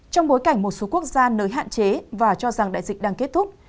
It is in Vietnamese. trong bối cảnh một số quốc gia nới hạn chế và cho rằng đại dịch đang kết thúc